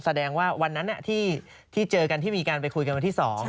แสดงว่าวันนั้นที่เจอกันที่มีการไปคุยกันวันที่๒